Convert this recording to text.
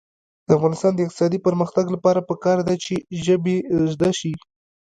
د افغانستان د اقتصادي پرمختګ لپاره پکار ده چې ژبې زده شي.